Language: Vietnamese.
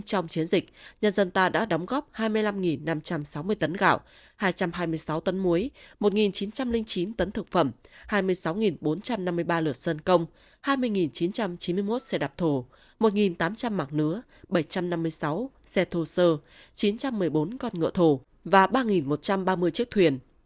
trong chiến dịch nhân dân ta đã đóng góp hai mươi năm năm trăm sáu mươi tấn gạo hai trăm hai mươi sáu tấn muối một chín trăm linh chín tấn thực phẩm hai mươi sáu bốn trăm năm mươi ba lượt sân công hai mươi chín trăm chín mươi một xe đạp thổ một tám trăm linh mạng nứa bảy trăm năm mươi sáu xe thô sơ chín trăm một mươi bốn con ngựa thổ và ba một trăm ba mươi chiếc thuyền